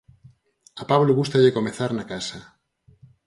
A Pablo gústalle comezar na casa.